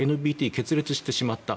ＮＰＴ決裂してしまった。